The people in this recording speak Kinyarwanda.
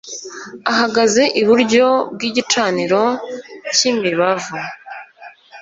ahagaze iburyo bw'igicaniro cy'imibavu,''